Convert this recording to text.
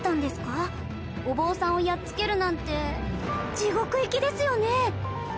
お坊さんをやっつけるなんて地獄行きですよね！？